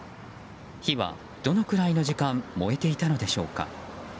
火はどのくらいの時間燃えていたのでしょうか。